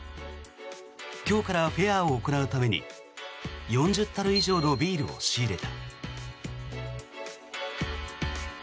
今日からフェアを行うために４０たる以上のビールを仕入れた。